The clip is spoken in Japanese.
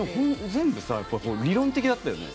全部理論的だったよね。